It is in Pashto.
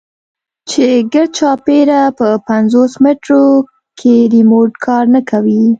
چې ګردچاپېره په پينځوس مټرو کښې ريموټ کار نه کوي.